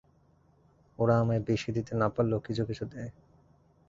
ওরা আমায় বেশী দিতে না পারলেও কিছু কিছু দেয়।